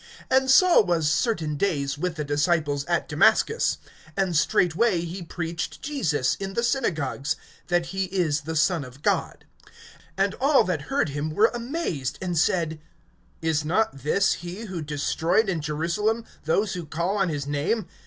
And Saul was certain days with the disciples at Damascus. (20)And straightway he preached Jesus, in the synagogues, that he is the Son of God. (21)And all that heard him were amazed, and said: Is not this he who destroyed in Jerusalem those who call on this name?